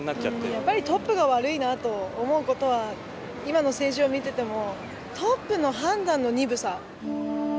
やっぱりトップが悪いなと思う事は今の政治を見ていてもトップの判断の鈍さ。